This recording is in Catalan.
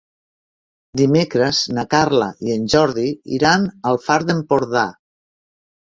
Dimecres na Carla i en Jordi iran al Far d'Empordà.